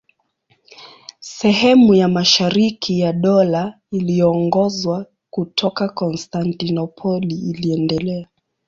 Sehemu ya mashariki ya Dola iliyoongozwa kutoka Konstantinopoli iliendelea.